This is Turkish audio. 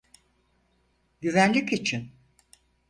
Güvenlik için.